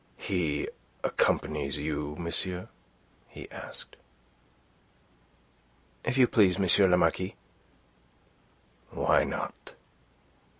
"He accompanies you, monsieur?" he asked. "If you please, M. le Marquis." "Why not?